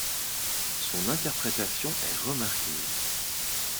Son interprétation est remarquée.